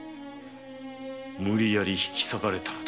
無理やり引き裂かれたのだ。